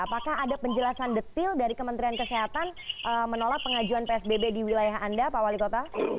apakah ada penjelasan detil dari kementerian kesehatan menolak pengajuan psbb di wilayah anda pak wali kota